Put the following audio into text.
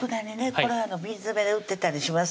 これ瓶詰で売ってたりします